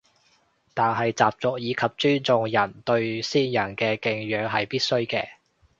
但係習俗以及尊重人對先人嘅敬仰係必須嘅